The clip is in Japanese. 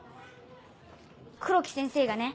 黒木先生がね